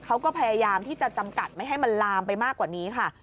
เขาก็พยายามที่จะจำกัดไม่ให้มันลามไปมากกว่านี้ค่ะ